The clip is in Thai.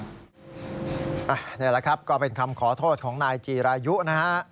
นี่แหละครับก็เป็นคำขอโทษของนายจีรายุนะฮะ